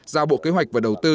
giao bộ kế hoạch và đầu tư